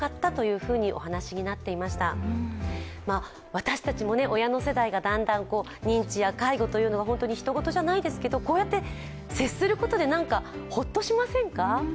私たちも親の世代がだんだん認知や介護というのが本当にひとごとじゃないですけど、こうやって接することで何か、ほっとしませんか？